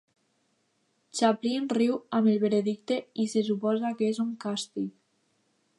Chaplin riu amb el veredicte i se suposa que és un càstig.